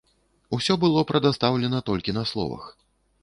Усё было прадастаўлена толькі на словах.